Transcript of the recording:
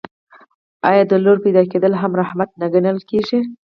آیا د لور زیږیدل هم رحمت نه ګڼل کیږي؟